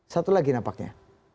satu lagi nampaknya